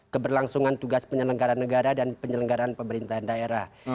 keberlangsungan tugas penyelenggara negara dan penyelenggaran pemerintahan daerah